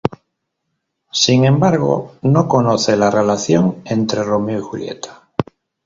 Sin embargo, no conoce la relación entre Romeo y Julieta.